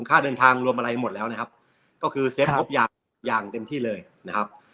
ค่าเดินทางรวมอะไรหมดแล้วนะครับก็คือเซฟครบอย่างอย่างเต็มที่เลยนะครับ